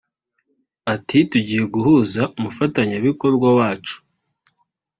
Ati “Tugiye guhuza umufatanyabikorwa wacu